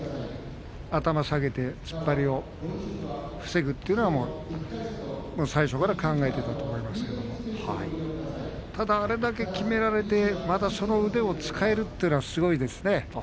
頭を下げて突っ張りを防ぐというのは最初から考えていたと思いますけどただあれだけきめられてまだその腕を使えるというのがすごいですね。